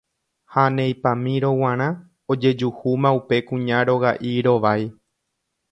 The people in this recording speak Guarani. ha neipamírõ g̃uarã ojejuhúma upe kuña roga'i rovái